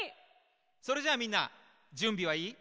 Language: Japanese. それじゃあみんなじゅんびはいい？